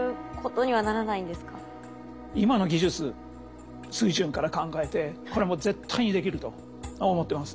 今の技術水準から考えてこれはもう絶対にできると思ってます。